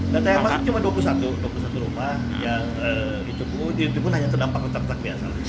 data yang masuk cuma dua puluh satu rumah yang ditubuh ditubuh hanya terdampak retak retak biasa